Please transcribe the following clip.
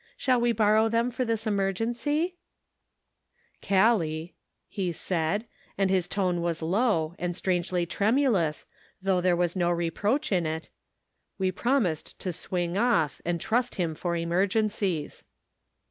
Shall we borrow them for this emer gency ?" 346 The Pocket Measure. "Callie," he said, and his tone was low and strangely tremulous, though there was no reproach in it, " we promised to swing off, and trust Him for emergencies."